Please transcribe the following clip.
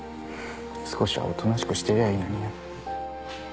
少しはおとなしくしてりゃいいのによ。